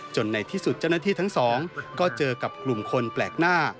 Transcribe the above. ในที่สุดเจ้าหน้าที่ทั้งสองก็เจอกับกลุ่มคนแปลกหน้า